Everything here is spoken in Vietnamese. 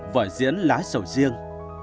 vở diễn lá sầu riêng